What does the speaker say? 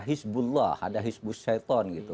hizbullah ada hizbush setan gitu